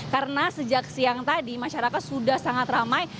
karena sejak siang tadi masyarakat sudah sangat ramai